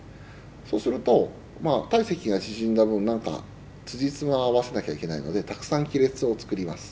そうすると体積が縮んだ分何かつじつまを合わせなきゃいけないのでたくさん亀裂をつくります。